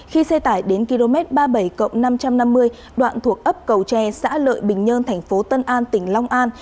khi xe tải đến km ba mươi bảy năm trăm năm mươi đoạn thuộc ấp cầu tre xã lợi bình nhơn tp tân an tỉnh long an